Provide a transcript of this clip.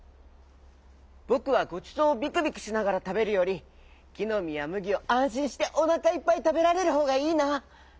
ぼくはごちそうをビクビクしながらたべるよりきのみやむぎをあんしんしておなかいっぱいたべられるほうがいいな。